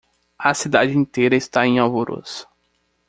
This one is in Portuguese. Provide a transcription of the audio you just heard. A cidade inteira está em alvoroço.